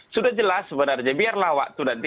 sudah jelas sebenarnya biarlah waktu nanti